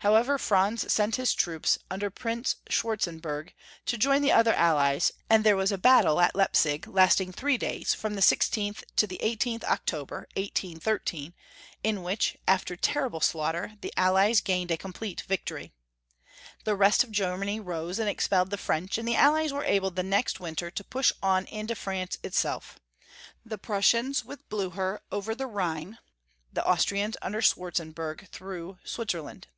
However, Franz sent his troops, under Prince Schwartzen berg, tcf join the other allies, and there was a battle Interregnum^ 461 at Leipsic, lasting three days, from the 16th to the 18th October, 1813, in which, after terrible slaugh ter, the Allies gained a complete victory. The rest of Germany rose and expelled the French, and the Allies were able the next winter to push on into France itself — the Prussians, with Blucher, over the Rhine ; the Austrians, under Swartzen berg, through Switzerland.